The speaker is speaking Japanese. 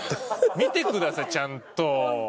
見てくださいちゃんと。